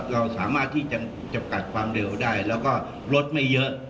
เราสามารถที่จะจำกัดความเร็วได้แล้วก็รถไม่เยอะ